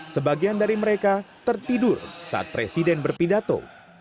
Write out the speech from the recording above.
sebagian dari mereka tertidur saat presiden berpidato